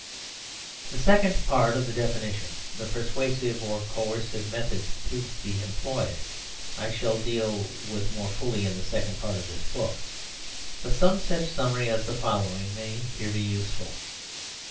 The second part of the definition, the persuasive or coercive methods to be employed, I shall deal with more fully in the second part of this book. But some such summary as the following may here be useful.